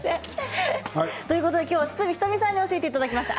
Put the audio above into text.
今日は堤人美さんに教えていただきました。